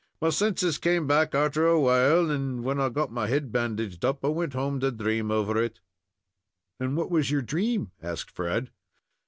My senses came back arter a while, and when I got my head bandaged up, I wint home to dream over it." "And what was your dream?" asked Fred.